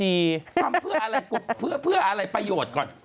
ทำเพื่ออะไรประโยชน์ก่อน